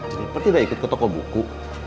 kenapa tidak ikut ke toko buku